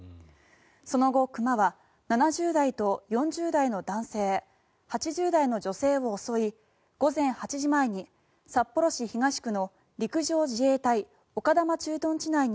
その後、熊は７０代と４０代の男性８０代の女性を襲い午前８時前に札幌市東区の陸上自衛隊丘珠駐屯地内に